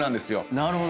なるほど。